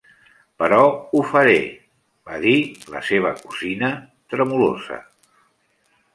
"Però ho faré" , va dir la seva cosina, tremolosa.